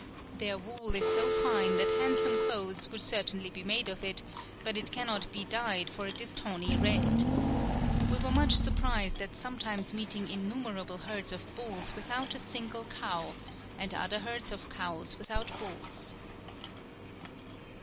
"Their wool is so fine that handsome clothes would certainly be made of it, but it can not be dyed for it is tawny red. We were much surprised at sometimes meeting innumerable herds of bulls without a single cow, and other herds of cows without bulls."